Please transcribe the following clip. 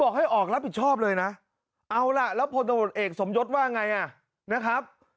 ให้ออกรับผิดชอบเลยนะเอาล่ะแล้วพลตำรวจเอกสมยศว่าไงอ่ะนะครับ